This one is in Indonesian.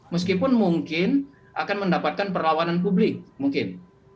meskipun mungkin akan mendapatkan perlawanan publik mungkin